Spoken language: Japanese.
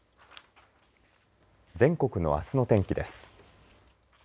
全国のあすの天気です。